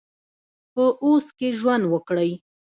په اوس کې ژوند وکړئ